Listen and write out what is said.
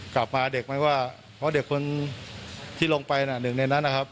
กลับมาเด็กไม่ว่าเพราะเด็กคนที่ลงไปน่ะหนึ่งในนั้นนะครับ